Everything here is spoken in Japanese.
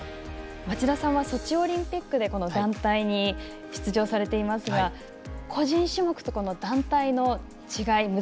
町田さんはソチオリンピックでこの団体に出場されていますが個人種目と団体の違い